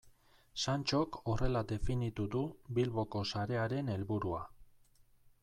Santxok horrela definitu du Bilboko sarearen helburua.